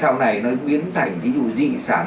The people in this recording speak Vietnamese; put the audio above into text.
còn viêm mạc teo này nó biến thành ví dụ dị sản